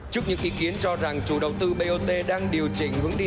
trước những ý kiến cho rằng chủ đầu tư bot đang điều chỉnh hướng đi